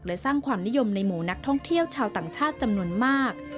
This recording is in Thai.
และสร้างความนิยมในหมู่นักท่องเที่ยวชาวต่างชาติจำนวนมาก